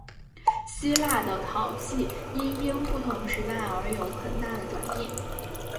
希腊的陶器因应不同时代而有很大的转变。